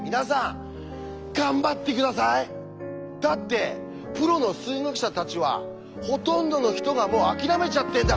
だってプロの数学者たちはほとんどの人がもう諦めちゃってんだから。